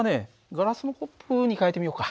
ガラスのコップに替えてみようか。